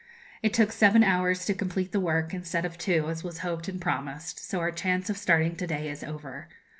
It took seven hours to complete the work, instead of two, as was hoped and promised, so our chance of starting to day is over.